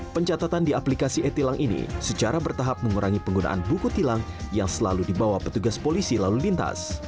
pencatatan di aplikasi e tilang ini secara bertahap mengurangi penggunaan buku tilang yang selalu dibawa petugas polisi lalu lintas